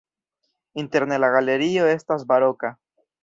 Interne la galerio estas baroka.